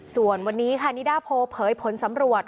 ส่วนวันนี้ค่ะนิดาโพเผยผลสำรวจ